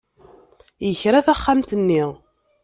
Yekra taxxamt-nni.